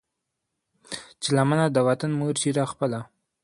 چې لمنه د وطن مور شي را خپله